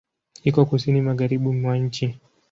Iko Kusini magharibi mwa nchi.